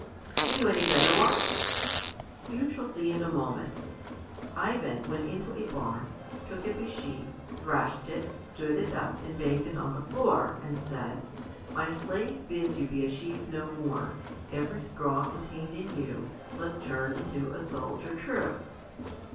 "Do you know any better ones?" "You shall see in a moment." Ivan went into a barn, took up a sheaf, thrashed it, stood it up, and banged it on the floor, and said My slave bids you be a sheaf no more. Every straw contained in you Must turn into a soldier true.